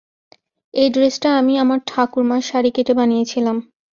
এই ড্রেসটা আমি আমার ঠাকুর মার শাড়ি কেটে বানিয়েছিলাম।